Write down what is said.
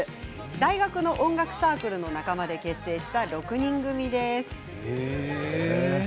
大学の音楽サークルの仲間で結成した６人組です。